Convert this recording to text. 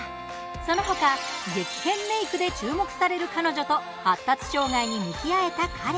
その他、激変メークで注目される彼女と、発達障害に向き合えた彼。